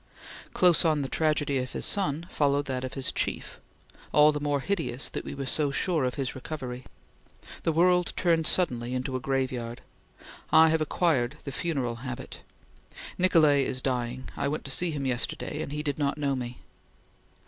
Close on the tragedy of his son, followed that of his chief, "all the more hideous that we were so sure of his recovery." The world turned suddenly into a graveyard. "I have acquired the funeral habit." "Nicolay is dying. I went to see him yesterday, and he did not know me."